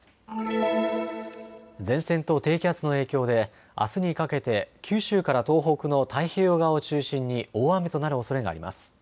前線と低気圧の影響であすにかけて九州から東北の太平洋側を中心に大雨となるおそれがあります。